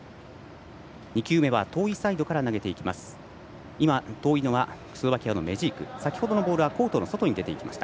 ２球目は遠いサイドから投げていきます。